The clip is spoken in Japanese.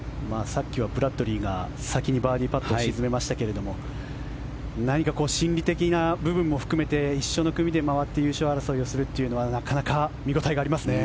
さっきはブラッドリーが先にバーディーパットを沈めましたけど何か心理的な部分も含めて一緒の組で回って優勝争いをするというのはなかなか見応えがありますね。